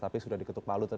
tapi sudah diketuk palu